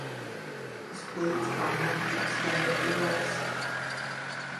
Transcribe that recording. Uz plīts pannā čukstēja olas.